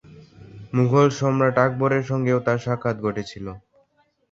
মুঘল সম্রাট আকবরের সঙ্গেও তার সাক্ষাৎ ঘটেছিল।